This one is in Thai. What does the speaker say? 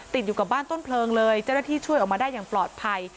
ติดอยู่กับบ้านต้นเพลิงเลยเจ้าหน้าที่ช่วยออกมาได้อย่างปลอดภัย